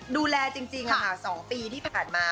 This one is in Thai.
ดูแลจริงค่ะ๒ปีที่ผ่านมา